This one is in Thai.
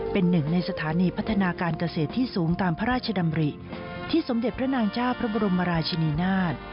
เป็นหนึ่งในสถานีพัฒนาการเกษตรที่สูงตามพระราชดำริที่สมเด็จพระนางเจ้าพระบรมราชินีนาฏ